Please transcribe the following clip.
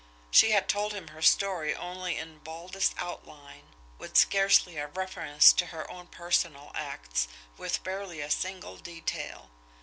She had told him her story only in baldest outline, with scarcely a reference to her own personal acts, with barely a single detail.